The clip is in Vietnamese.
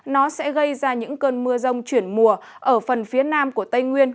nó sẽ gây ra những cơn mưa rông chuyển mùa ở phần phía nam của tây nguyên